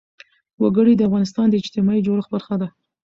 وګړي د افغانستان د اجتماعي جوړښت برخه ده.